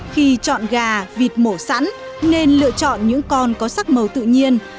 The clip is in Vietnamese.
khi chọn gà vịt mổ sẵn nên lựa chọn những con có sắc màu tự nhiên